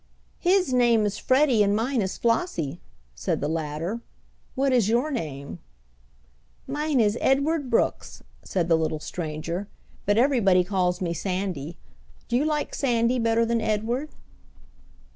"His name is Freddie and mine is Flossie," said the latter. "What is your name?" "Mine is Edward Brooks," said the little stranger, "but everybody calls me Sandy. Do you like Sandy better than Edward?"